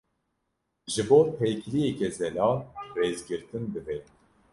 Ji bo têkiliyeke zelal, rêzgirtin divê.